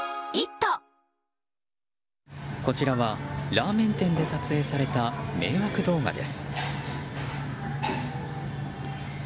こちらはラーメン店で撮影された迷惑動画です。